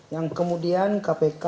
yang kemudian kpk